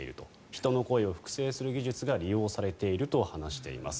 人の声を複製する技術が利用されていると話します。